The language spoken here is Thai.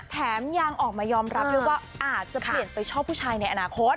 แถมยังออกมายอมรับด้วยว่าอาจจะเปลี่ยนไปชอบผู้ชายในอนาคต